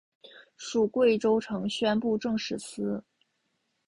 属贵州承宣布政使司。